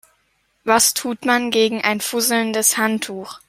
Was tut man gegen ein fusselndes Handtuch?